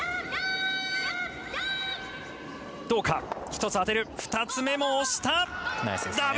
どうか１つ当てる２つ目もどうだ。